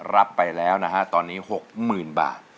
รับไปแล้วนะฮะตอนนี้๖๐๐๐บาท